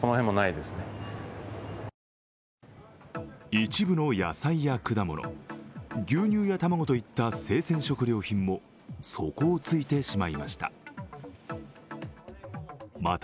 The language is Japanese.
一部の野菜や果物、牛乳や卵といった生鮮食料品も底をついてしまいました。